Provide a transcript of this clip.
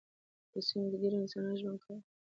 په سیمو کې ډېر انسانان ژوند کاوه.